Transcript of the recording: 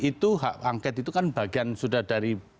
itu hak angket itu kan bagian sudah dari